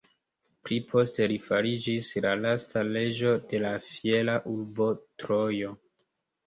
Pli poste li fariĝis la lasta reĝo de la fiera urbo Trojo.